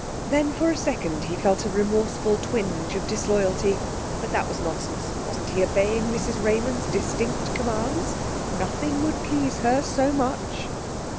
Then for a second he felt a remorseful twinge of disloyalty. But that was nonsense; wasn't he obeying Mrs Raymond's distinct commands? Nothing would please her so much....